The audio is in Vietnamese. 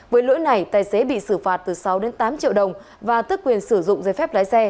với lỗi này tài xế bị xử phạt từ sáu đến tám triệu đồng và tức quyền sử dụng dây phép lái xe